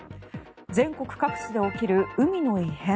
全国各地で起きる海の異変。